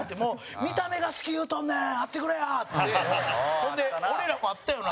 ほんで、俺らも会ったよな。